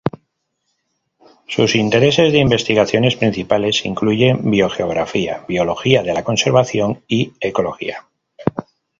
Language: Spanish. Sus intereses de investigaciones principales incluyen biogeografía, biología de la conservación y ecología.